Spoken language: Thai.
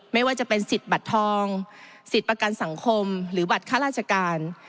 ไม่ว่าจะเป็นสิทธิ์บัตรทองสิทธิ์ประกันสังคมหรือบัตรค่าราชการ